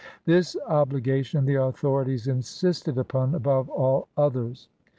This obligation the authorities insisted upon above all others.